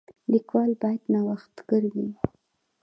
لیکوال باید نوښتګر وي.